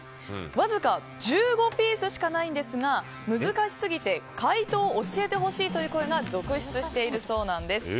わずか１５ピースしかないんですが、難しすぎて解答を教えてほしいという声が続出しているそうなんです。